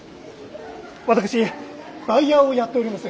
私バイヤーをやっております。